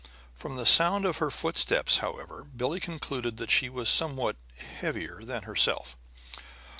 From the sound of her footsteps, however, Billie concluded that she was somewhat heavier than herself.